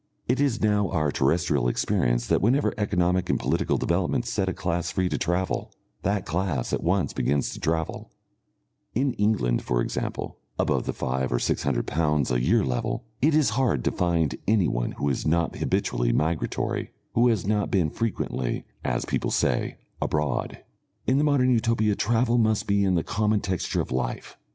It is now our terrestrial experience that whenever economic and political developments set a class free to travel, that class at once begins to travel; in England, for example, above the five or six hundred pounds a year level, it is hard to find anyone who is not habitually migratory, who has not been frequently, as people say, "abroad." In the Modern Utopia travel must be in the common texture of life.